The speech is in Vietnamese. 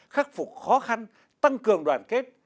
khắc phục khó khăn tăng cường đoàn kết